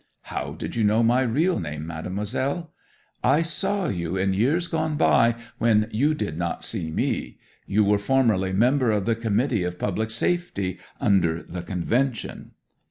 '"How did you know my real name, Mademoiselle?" '"I saw you in years gone by, when you did not see me. You were formerly Member of the Committee of Public Safety, under the Convention."